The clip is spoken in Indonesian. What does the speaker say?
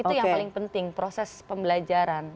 itu yang paling penting proses pembelajaran